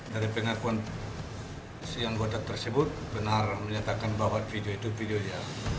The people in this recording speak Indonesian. dari pengakuan si anggota tersebut benar menyatakan bahwa video itu videonya